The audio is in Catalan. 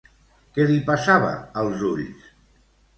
Què li passava als ulls?